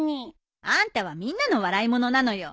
あんたはみんなの笑いものなのよ。